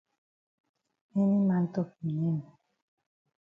Any man tok e name.